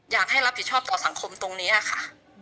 อยากให้รับผิดชอบต่อสังคมตรงนี้ค่ะ